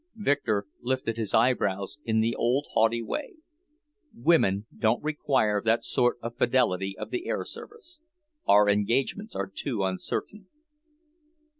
Victor lifted his eyebrows in the old haughty way. "Women don't require that sort of fidelity of the air service. Our engagements are too uncertain."